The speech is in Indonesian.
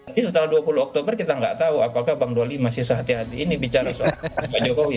tapi setelah dua puluh oktober kita nggak tahu apakah bang doli masih sehati hati ini bicara soal pak jokowi